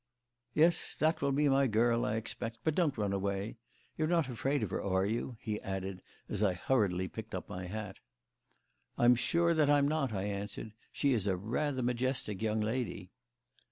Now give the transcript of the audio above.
"Yes, that will be my girl, I expect; but don't run away. You're not afraid of her, are you?" he added as I hurriedly picked up my hat. "I'm not sure that I'm not," I answered. "She is a rather majestic young lady."